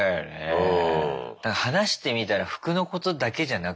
うん。